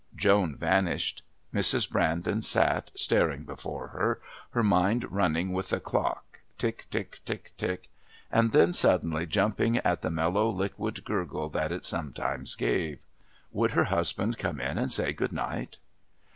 Joan vanished. Mrs. Brandon sat, staring before her, her mind running with the clock tick tick tick tick and then suddenly jumping at the mellow liquid gurgle that it sometimes gave. Would her husband come in and say good night?